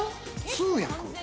通訳。